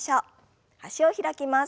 脚を開きます。